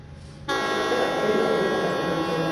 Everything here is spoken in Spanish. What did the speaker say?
Rafael de la Fuente nació en Caracas, Venezuela.